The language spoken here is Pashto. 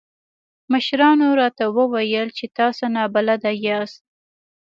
مشرانو راته وويل چې تاسې نابلده ياست.